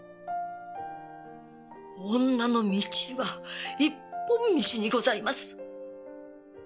女の道は一本道にございます。